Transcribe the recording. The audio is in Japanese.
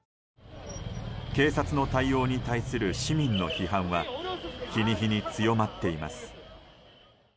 警察の対応に対する市民の批判は日に日に強まっています。